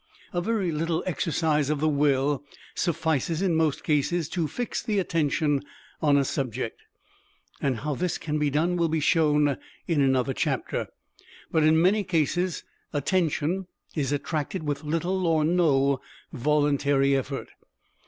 A very little exercise of the Will suffices in most cases to fix the attention on a subject, and how this can be done will be shown in another chapter. But in many cases Attention is attracted with little or no voluntary effort.